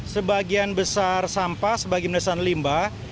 sebagian besar sampah sebagian besar limbah